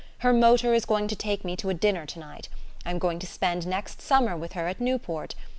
Her motor is going to take me to a dinner to night. I'm going to spend next summer with her at Newport....